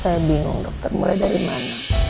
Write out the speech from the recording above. saya bingung dokter mulai dari mana